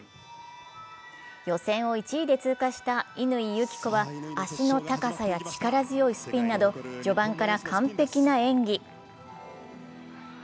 予選を１位で通過した乾友紀子は足の高さや力強いスピンなど序盤から完璧な演技。